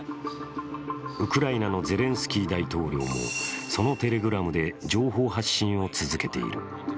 ウクライナのゼレンスキー大統領もそのＴｅｌｅｇｒａｍで情報発信を続けている。